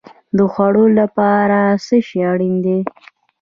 د خوړو لپاره څه شی اړین دی؟